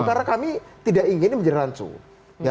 karena kami tidak ingin menjerancuh